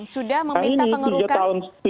sudah meminta pengerukan pemprov